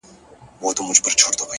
زړه سوي عملونه ژور اغېز لري!